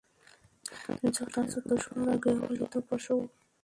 যথা চতুষ্পদ ও গৃহপালিত পশু।